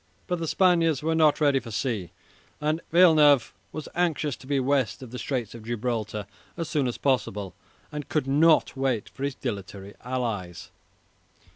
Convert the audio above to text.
But the Spaniards were not ready for sea, and Villeneuve was anxious to be west of the Straits of Gibraltar as soon as possible, and could not wait for his dilatory allies.